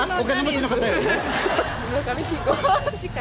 村上信五。